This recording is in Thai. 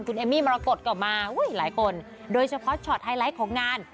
คุณเอมมี่มรกฏก็มาหลายคนโดยเฉพาะช็อตไฮไลท์ของงาน